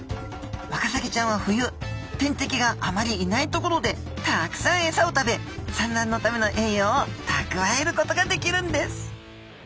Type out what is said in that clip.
ワカサギちゃんは冬天敵があまりいない所でたくさんエサを食べ産卵のための栄養をたくわえることができるんです